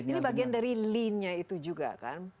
ini bagian dari lean nya itu juga kan